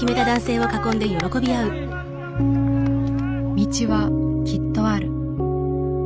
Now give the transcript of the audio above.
「道はきっとある」。